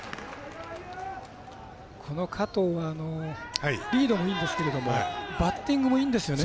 加藤はリードもいいですけどもバッティングもいいんですよね。